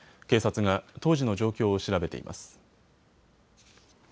警察が当時の状況を調べています。